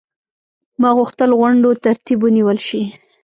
ما غوښتل غونډو ترتیب ونیول شي.